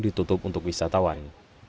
ditutup untuk wisatawan